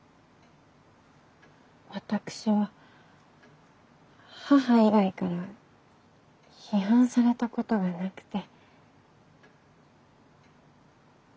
私は母以外から批判されたことがなくて。